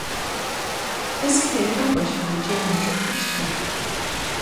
This can be accomplished with geometric hashing.